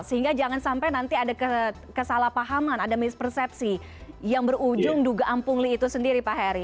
sehingga jangan sampai nanti ada kesalahpahaman ada mispersepsi yang berujung dugaan pungli itu sendiri pak heri